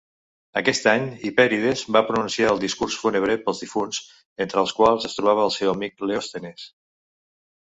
Aquest any, Hipèrides va pronunciar el discurs fúnebre pels difunts, entre els quals es trobava el seu amic Leòstenes.